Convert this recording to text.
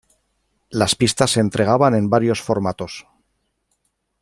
Las pistas se entregaban en varios formatos.